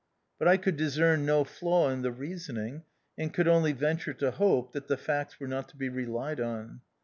But I could discern no flaw in the reasoning, and could only venture to hope that the facts were not to be relied on.